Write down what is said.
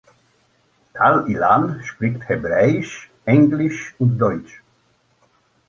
Tal Ilan spricht Hebräisch, Englisch und Deutsch.